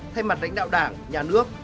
thay mặt đánh đạo đảng nhà nước